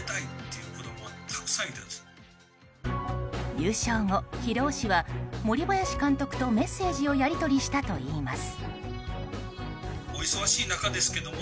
優勝後広尾氏は森林監督とメッセージをやり取りしたといいます。